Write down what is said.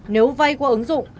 nếu vay qua ứng dụng